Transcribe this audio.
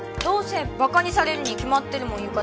どうせバカにされるに決まってるもん。